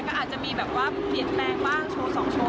ก็อาจจะมีแบบว่าเปลี่ยนแปลงบ้างโชว์๒โชว์